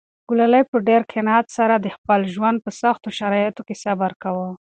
ګلالۍ په ډېر قناعت سره د خپل ژوند په سختو شرایطو کې صبر کاوه.